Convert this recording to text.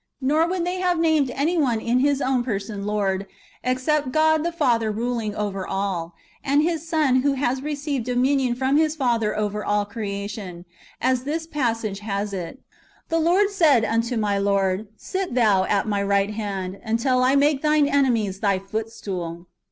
269 nor would they have named any one in his own person Lord, except God the Father ruling over all, and His Son who has received dominion from His Father over all creation, as this passage has it :" The Lord said unto my Lord, Sit Thou at my right hand, until I make Thine enemies Thy footstool."